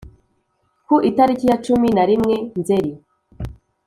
ku itariki ya cumi narimwe nzeri